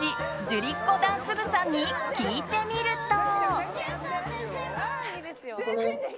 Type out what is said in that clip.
じゅりっこダンス部さんに聞いてみると。